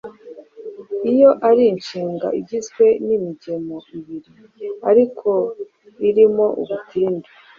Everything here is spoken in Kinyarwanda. Iyo ari inshinga igizwe n’imigemo ibiri ariko irimo ubutinde,